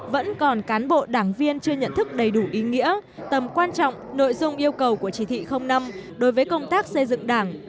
vẫn còn cán bộ đảng viên chưa nhận thức đầy đủ ý nghĩa tầm quan trọng nội dung yêu cầu của chỉ thị năm đối với công tác xây dựng đảng